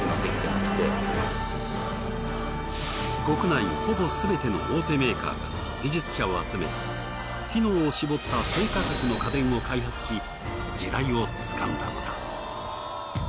国内ほぼすべての大手メーカーから技術者を集め機能をしぼった低価格の家電を開発し時代をつかんだのだ。